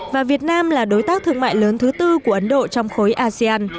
và việt nam là đối tác thương mại lớn thứ tư của ấn độ trong khối asean